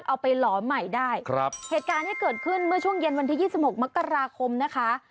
เอาไปหลอมใหม่ได้เหตุการณ์นี้เกิดขึ้นเมื่อช่วงเย็นวันที่๒๖มกราคมนะคะ